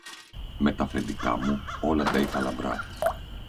Με τ' αφεντικά μου όλα τα είχα λαμπρά